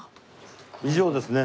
以上ですね。